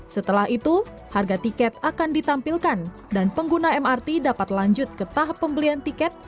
setelah itu harga tiket akan ditampilkan dan pengguna mrt dapat lanjut ke tahap pembelian tiket